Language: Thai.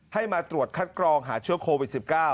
ให้มาตรวจคัดกรองหาเชื้อโควิด๑๙